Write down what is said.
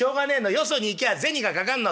よそに行きゃあ銭がかかんの。